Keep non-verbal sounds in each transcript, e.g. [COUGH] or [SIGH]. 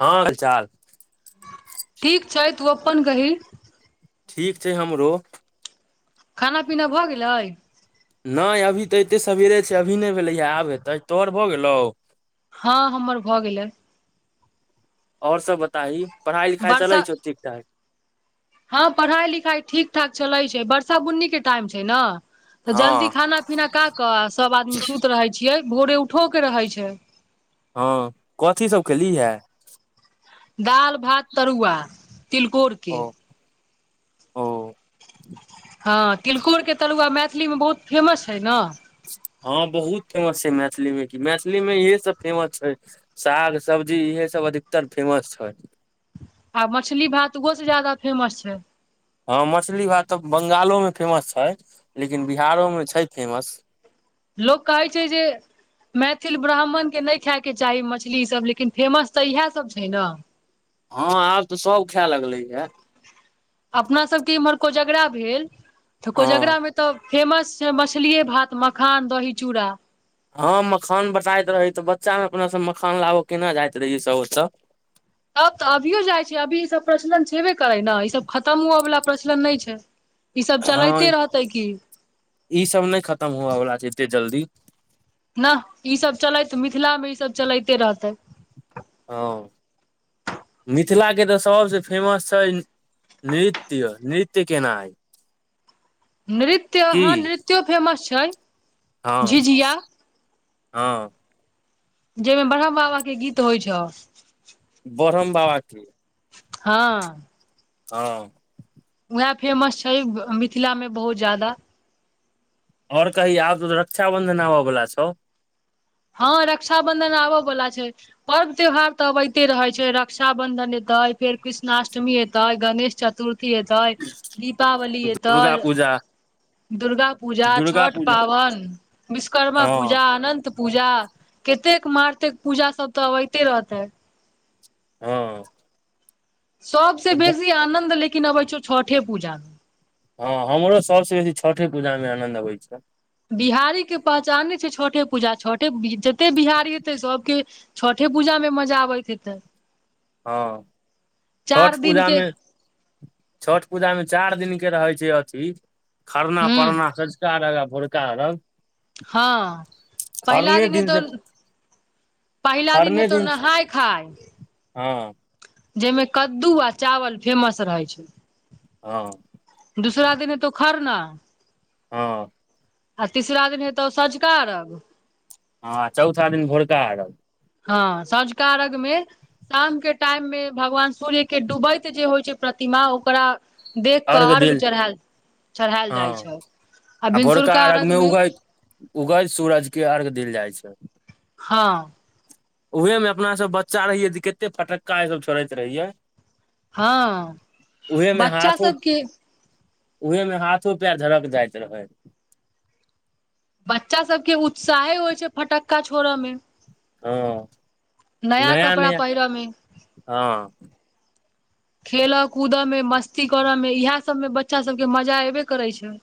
हाल चाल ठीक छै, तू अपन कही? ठीक छै हमरो। खाना पीना भऽ गेलैय? नहि अभी तऽ एते सबेरे छै, अभी नहि भेलैया आब हेतै, तोहर भऽ गेलौ? हाँ हमर भऽ गेलै। ओर सब बताही पढ़ाई लिखाई वर्षा चलै छौ ठीक ठाक?? हँ पढ़ाई लिखाई ठीक ठाक चलै छै बरसा बुन्नी के टाइम छै ने? तऽ हँ जल्दी खाना पीना खा कऽ सभ आदमी सुत रहे छियै भोरे उठो के रहै छै। हँ कथी सब खेलीहे या? दाल, भात तरुआ तिलकोर ओ के ओ हँ तिलकोरके तरुआ मैथिलीमे बहुत फेमस है हइ न। हँ बहुत फेमस छै, मैथिली मे की मैथिलीमे इहे सब फेमस छै। साग सब्जी इहे सब अधिकतर फेमस छै। आ मछली भात उहो से ज्यादा फेमस छै। हँ मछली भात तऽ बंगालोमे फेमस छै लेकिन बिहारोमे छै फेमस। लोकग कहै छै जेे मैथिल ब्राह्मणके नहि खाायके चाही मछली इ सभ लेकिन फेमस तऽ इहासब छै ना। हँ आब तऽ सब खाय लगले या। अपना सबके इम्हर कोजगरा भेल तऽ हँ कोजगरा मे तऽ फेमस छै मछलीए भात मखान दही चूड़ा। हँ मखान बताइत रही तऽ बच्चा मे अपना सब मखान लाबऽ केना जाइत रहहि सब ओतऽ। तब तऽ अभियो जाइ छै अभी ई सब प्रचलन छेबे करै ने ई सब खतम हुअ वला प्रचलन नहि छै। ई सब हँ चलते रहते की। ई सब नहि खतम हुएवला छै एते जल्दी। नह ईसभ चलैत मिथिलामे ईसभ चलैते रहतै। हँ। मिथिलाक के तऽ सभसँ फेमस छै नृत्य नृत्य केनाइ। नृत्य की हँ नृत्यो फेमस छै हँ झिझिया। हँ जाहिमे ब्रह्म बाबा के गीत होइ छौ। बरहम बाबा के। हँ। हँ। उहा फेमस छै मिथिला मे बहुत ज्यादा। और कही आब तो रक्षा बंधन आबऽ बालला छौ। हँ रक्षााबंधन आबऽ बला छै। पर्व त्यौहार तऽ अबैते रहैत छै रक्षााबन्धन एतैय फेर पृष्णाष्टमी एतैय गणेश चतुर् ती एतैय दीपावली दुर्गा एतैय। पूजा दुर्गा पूजा दुर्गा छठ पूजा पाबन विश्वकर्मा हँ पूजा अनन्त पूजा केतेक मारतेक पूजा सब तऽ अबैते रहते। हँ। सबस बेसी आनंन्द लेकिन अबै छौ छठे पूजा मे। हँ हमरो सभसँ बेसी छठे पूजामे आनंद अबैत छौ। बिहारीके पहचाने छै छठे पूजा छठे जते बिहारी हेतै सभके छठे पूजामे मजा आबैत हेतय। हँ। चार छठ दिन के पूजामे छठ पूजामे चारि दिनके रहै छै अथी खरना हूँ पड़ना सँझका अरघ आ भोरका अरघ। हँ पहिला दिन हेतो से पहिला दिन हेतौ नहाय खाय। हँ। जाइमे कद्दू आ चावल फेमस रहे छै। हँ। दूसरा दिने हेतो खरना। हँ। आ तीसरा दिन हेतौ सँझुका अरघ। हँ चौथा दिन भोरका अरघ। हँ सँंझुका अर्घ्य में। शाम के टाईम में, भगवान सूर्य के डूबैत जे होइ छै, प्रतिमा ओकरा देख क अर्घ अर्घ्य देल चढ़ायल -चढ़ायल हँ जाइ छै, आ भिनसुरका अर्घ्य में उगज सूरज के अर्घ देल जाइ छै। हँ। ऊहे में अपना सब बच्चा रहिये तऽ कते फटक्का सब छोड़ैत रहिये। हँ उहेमे बच्चा हाथो सबके उहे मे हाथो पैर झरक जाइत रहै। बच्चा सबके उत्साहे होइ छै, फटक्का छोड़ऽ में। हँ नया कपड़ा पहिरमें। हँ खेलय कूदए में मस्ती करऽ में, इएहा सब में बच्चा सब के मजा एबे करे छै।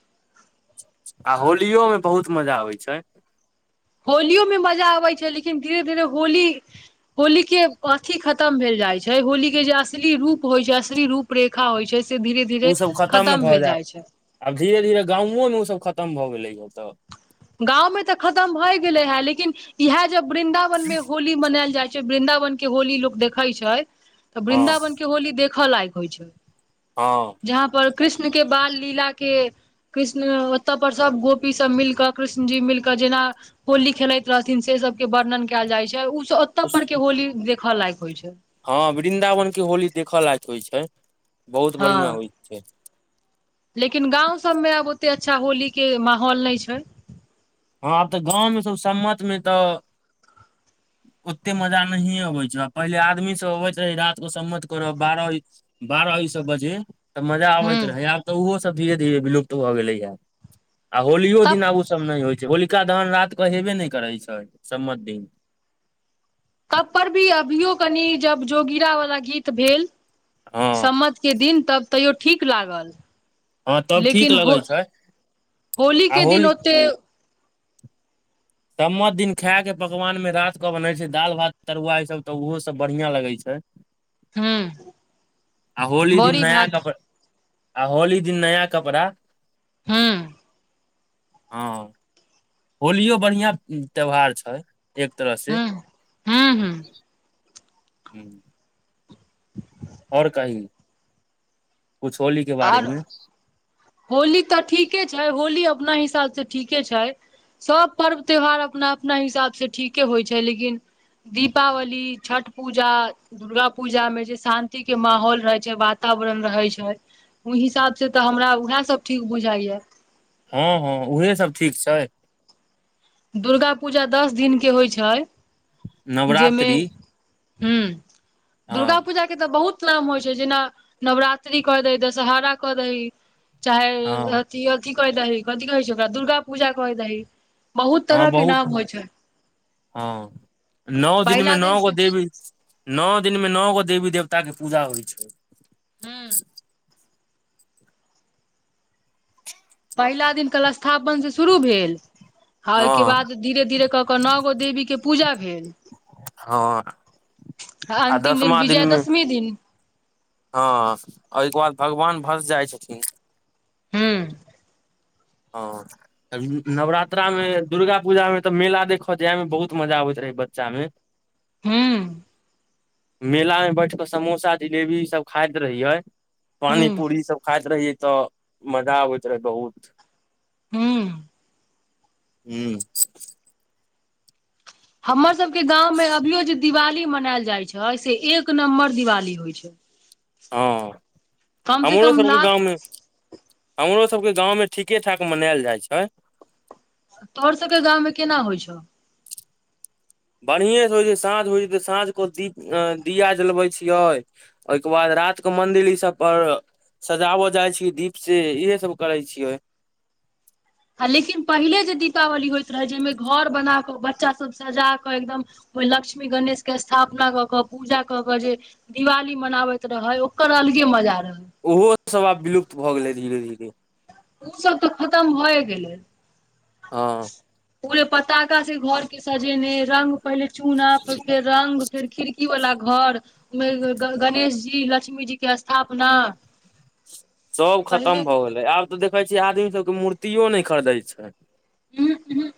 आ होलियो में बहुत मजा आबै छै। होलियो में मजा अबै छै, लेकिन धीरे- धीरे होली होली के अथि खतम भेल जाइ छै, होली के जे अश्ली रूप होइ छै, अश्ली रूप- रेखा होइ छै। से धीरे -धीरे उ सब खतम भऽ भेल जाइ छै। आब धीरे- धीरे गांवों में ओसभ खतम भऽ गेलैए तऽ। गाँंवं में तऽ खतम भएऽ गेले हे, लेकिन इएह जब वृन्दावन में होली मनायल जाइ छै, वृन्दावन के होली लोक देखै छै, तऽ हँ वृन्दावन के होली देखऽ लायक होइ छै। हँ। जहा पर कृष्ण के बाल लीला के, कृष्ण ओतऽ पर सब गोपी सब मिलकऽ कृष्ण जी मिलके जेना होली खेलैत रहथिन, से सब के वर्णन कयल जाइ छै उ सब तऽ पर के होली देखऽ लायक होइ छै। हँ वृन्दावन के होली देखऽ लायक होइ छै, बहुत बढ़ियां हँ होइ छै। लेकिन गाँंव सब में आब ओते अच्छा होली के माहौल नै छै। हँ आब तऽ गाँवमें सब सम्मत मे तऽ ओते मजा नहिए अबैत छै, पहिले आदमी सब अबैत रही राइत कऽ सम्मत करऽ बारह बारह ई सब बजे तऽ मजा आबैत हूं रहै, आब तऽ ओहो सब धीरे-धीरे विलुप्त भऽ गेलैय हे। आ होलियो तब दिना ओसभ नहि होइ छै, होलिका दहन राइत कऽ हेबे नहि करैत छै सम्मत दिन। तब पर भी अभियो कनि जब जोगिरा वालला गीत भेल। हँ सम्मत के दिन तब तैयो ठीक लागल। हँ तब ठीक लेकिन लगै हो- छै होली के दिन होते सम्मत दिन खाय के पकवान मे रात क बनै छै, दाल भात तरुआ ई सब तऽ ओहो सब बढ़ियां लगै छै। हूं आ होली दिन बड़ी नया भात कपड़ आ होली दिन नया कपड़ा। हूं। हँ। होलियो बढ़ियां त्यौहार छै। एक तरह से हँ- हूं- हूं। हूँ। और कही, कुछ होली के बारे आर में। होली तऽ ठीके छै, होली अपना हिसाब सँ ठीके छै। सभ पर्व त्योहार अपना -अपना हिसाबसँ ठीके होइ छै, लेकिन दीपावली, छठ पूजा। दुर्गा पूजा मे जे शान्ति के माहौल रहै छै वातावरण रहै छै। ओहि हिसाब से तऽ हमरा उएह सभ ठीक बुझाइया। हँ हँ उहे सब ठीक छै। दुर्गा पूजा दस दिनके होइत छै। नवरात्रि जेमें ह हँ दुर्गा पूजा। के तऽ बहुत नाम होइ छै जेना नवरात्रि क दै दशहरा क दै। चाहे हँ अथि अथि कै द है कथि कहै छै ओकरा दुर्गा पूजा कै दह है। बहुत तरह हँ के नाम बहुत होइ छै। हँ नओ दिनमे पहिला न दिन से गो देबी। न दिन में न गो देवी देवता के पूजा होइ छै। हँ। पहिला दिन कलश स्थापना से शुरू भेल आ ओहिके हँ बाद। धीरे धीरे कऽ कऽ नगो देवी के पूजा भेल। हँ। आ अन्तिम दिन विजयदशमी दिन। अ ओहिके बाद भगवान भस जाइ छथिन। हूँ। ह। नवरात्रा मे दुर्गा पूजा मे तऽ मेला देखऽ जायमे बहुत मजा आबैत रहै बच्चा मै। हँ। मेला मे बैठ क समोसा जिलेबी ई सब खाइत रहियै। पानी पूड़ी सब खाइत रहियै तऽ मजा आबैत रहे बहुत। हूँ ह्म। हमर सबके गाँव में अभियो जे दिवाली मनाएल जाइ छै से एक नम्बर दिवाली होइ छै। हँ कम से हमरो कम सब के लाख गाव मे। हमरो सबके गाँं में ठीके ठाक मनायल जाइ छै। तोहर सके गामवमे केना होइ छौ। बढ़िएँसँ जे साँझ होइ छै तऽ साँझ क दीप दिया जलबै छिएय। ओहिके बाद रात क मंन्दिरी सभ पर। सजाबऽ जाइ छीिय दीप से इहे सब करै छियै। ह लेकिन पहिले जे दीपावली होइत रहै जाहिमे घर बना कऽ बच्चास सभ सजा कऽ एकदम। कोई लक्ष्मी गणेशके स्थापना कऽ कऽ पूजा कऽ कऽ जे। दिवाली मनाबैत रहे ओकर अलगे मजा रहै। ओहो सब आब विलुप्त भऽ गेलै धीरे धीरे। ऊ सब तऽ खतम भए गेलै। हँ। पूरे पतााका से घर के सजेने रंग। पहिले चूना फेर रंग फेर खिड़की वला घर। गणेश जी लक्ष्मी जीके स्थापना। सब पहिले खतम भए गेले आब तऽ देखे छियै आदमी सब के मूर्तियो नइ खरदै छै। उहु चहुं।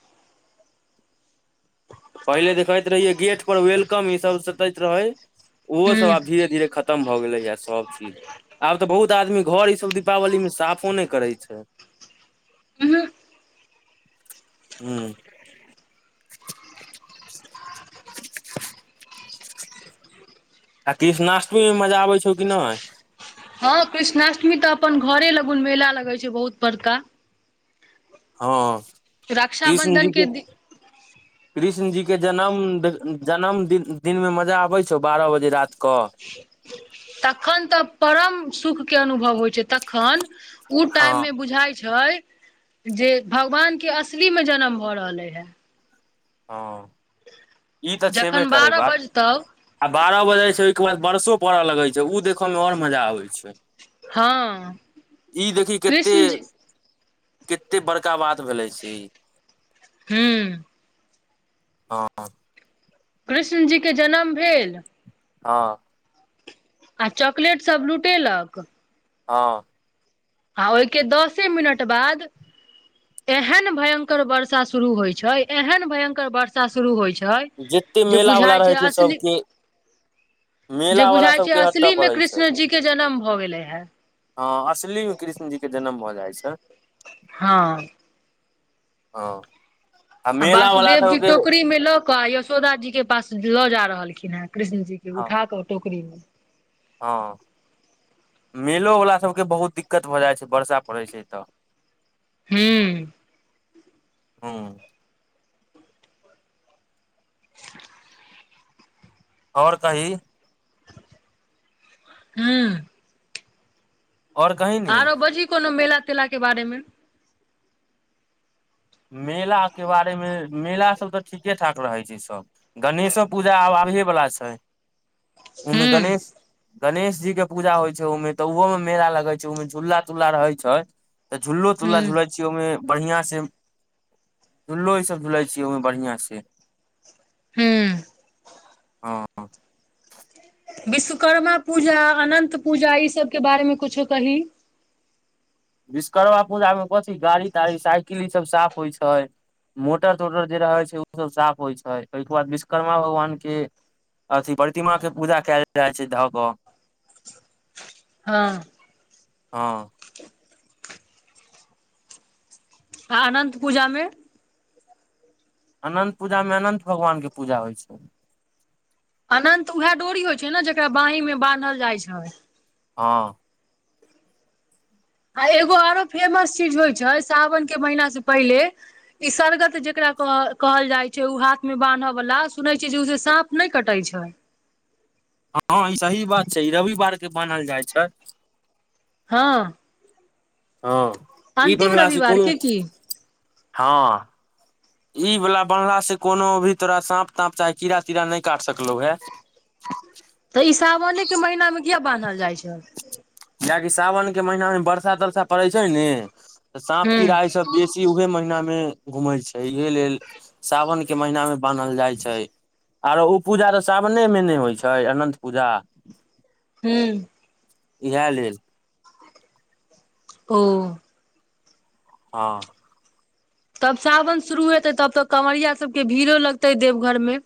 पहिले देखैत रहिये गेट पर वेलकम ई सब सतैत रहै ओहो सब उहूं आब धीरे धीरे खत। खतम भऽ गेलैएा सभ चीज आब तऽ बहुत आदमी घर ई सब दीपावलीमे साफो नहि करै छै। उहु। हू। आ कृष्णष्टमी में मजा आबै छौ कि नै? हां कृष्णाष्टमी तै अपन घरे लगुन मेला लगे छै बहुत बड़का। हां कृष्ण रक्षाबन्धन जी के दि कृष्ण जी के जन्म द जन्म दिन दिन मे मजा आबे छौ बारह बजे रात क। तखन तऽ परम सुख के अनुभव होय छै। तखन उ हँ टाइम मे बुझाय छै जे भगवान के असली मे जन्म भऽ रहलै यै। हां ई तै छेबे जखन करै बारह बात। बजतौ आ बारा बजे छै ओय के बाद बरसो पड़य लगे छै उ देखय में और मजा आबे छै। हँ ई देखी कत्ते कृष्ण जी कत्ते बड़का बात भेले से ई हूं। हां। कृष्णजी के जनम भेल हां। आ चॉकलेट सब लूटेलक हां। आ ओय के दसे मिनट बाद एहेन भयंकर वर्षा शुरू होय छै, एहेन भयंकर वर्षा शुरू होय छै - जते [UNINTELLIGIBLE] जे मेला वाला बुझाय रहै छै असली सबके जे मेला वाला बुझाय छै सबके हटऽ असली मे पड़ै कृष्ण जी के जन्म भऽ गेलै हें। हां असली मे कृष्ण जी के जन्म भऽ जाय छै। हां। हां। आ वासुदेव जी टोकरी मे ल क यशोदा जी के पास लऽ जा रहलखिन हें कृष्ण जी के उठा क टोकरी मे हां। मेलो बला सबके बहुत दिक्कत भऽ जाए छै वर्षा पड़ै छै तऽ हुँ। हुं। और कही हुं। आओर कही ने आरो बजही कोनो मेला-तेला के बारेमे मेला के बारे मे मेला सब तै ठीके-ठाक रहै छै सब। गणेशो पूजा आब आबहे बला छै, उ मे हूँ गणेश गणेश जी के पूजा होय छै ओय मे तऽ उहो मे मेला लगै छै, उमे झूला-तुल्ला रहै छै। तऽ झुलो तुल्ला हूँ झुलै छीयौ ओयमे बढ़िया से झूल्लो ई सब झुलय छियै ओय मे बढ़िया से। हुं। हां। विश्वकर्मा पूजा, अनन्त पूजा ई सबके बारेमे कुछो कही? विश्वकर्मा पूजा मे कथी गाड़ी-ताड़ी साइकिल ई सब साफ होय छै। मोटर-तोटर जे रहै छै ओ सब साफ होय छै ओयके बाद विश्वकर्मा भगवान के अथी प्रतिमा के पूजा कैल जाइ छै धऽ कऽ। हँ। हँ। आ अनन्त पूजामे अनन्त पूजामे अनन्त भगवानके पूजा होइ छै। अनंत उहा डोरी होइ छै ने जेकरा बाँहिं मे बान्हल जाइ छै। हँ। आ एगो आरो फेमस चीज होइ छै सावनके महिना से पहिले ई सरगत जेकरा कह कहल जाय छै उ हाथ में बानहय वाला सुनै छियै जे उ से साँप नै कटै छै। हँ ई सही बात छै ई रविवार के बान्हल जाइ छै। हँ। हँ ई अंतिम बनहला सँ रविवार कोनो के की हँ। ई वाला बन्हला सऽ कोनो भी तोरा साँप ताँप चाहे कीड़ा तीड़ा नै काट सकलौ है। तऽ ई सावने के महीना मे किया बान्हल जाइ छै? कियाकि सावन के महीना मे बरसा तरसा पड़ै छै ने त साँप हूं कीड़ा अइस बेसी उहे महीना मे घुमै छै इहे लेल सावनके महिनामे बान्हल जाइ छै। आरो उ पूजा तऽ सावने मे ने होइ छै अनन्त पूजा। हुं। इहा लेल। ओ। हँ। तब सावन शुरू हेते तब तऽ काँवरिया सबके भीड़ो लगते देवघर मे।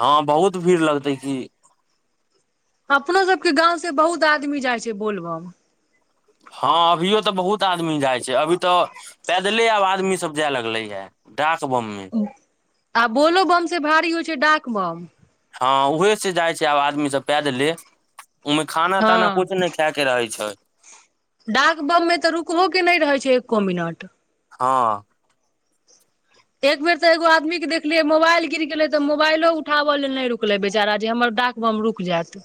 हँ बहुत भीड़ लगतै की। अपनो सबके गाँंव से बहुत आदमी जाइ छै बोलबम। हँ अभियो तऽ बहुत आदमी जाइ छै अभी तऽ पैदले आब आदमी सब जाय लगले हे डाक बम मे। आ बोलो बम से भारी होइ छै डाक बम। हँ उहे से जाइ छै आब आदमी सब पैदेले उहिमें खाना ताना हँ कुछ नय खै के रहे छै। डाक बममे तऽ रुकहो के नहि रहैत छै एक्को मिनट। हँ। एक बेर त एगो आदमी के देखलियै मोबाइल गिर गेले तऽ मोबाइलो उठाबऽ लेल नहि रुकले बेचारा जे हमर डाक बम रुक जैत।